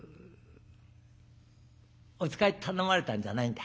お使い頼まれたんじゃないんだ」。